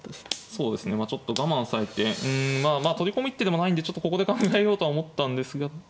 そうですねちょっと我慢されてうんまあ取り込む一手でもないんでちょっとここで考えようとは思ったんですが。